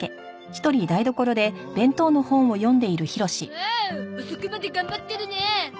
おお遅くまで頑張ってるねえ。